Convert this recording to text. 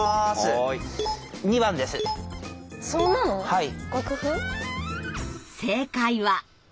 はい。